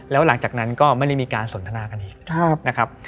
แล้วหลังจากนั้นก็ไม่ได้มีการสนทนากันอีกนะครับ